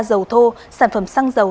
dầu thô sản phẩm xăng dầu